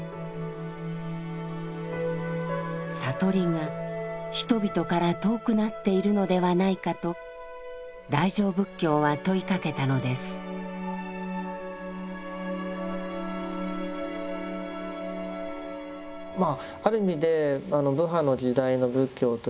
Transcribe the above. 悟りが人々から遠くなっているのではないかと大乗仏教は問いかけたのです。